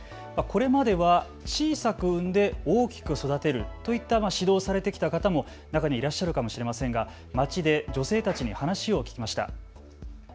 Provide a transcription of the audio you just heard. これまでは、小さく産んで大きく育てる、といった指導をされてきた方も中にはいらっしゃるかもしれませんが街で女性たちに話を聞きました。